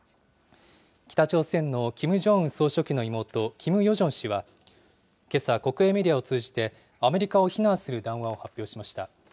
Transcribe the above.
北朝鮮のキム・ジョンウン総書記の妹、キム・ヨジョン氏は、けさ、国営メディアを通じて、アメリカを非難する談話を発表しました。